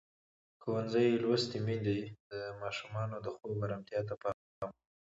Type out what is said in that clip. ښوونځې لوستې میندې د ماشومانو د خوب ارامتیا ته پام کوي.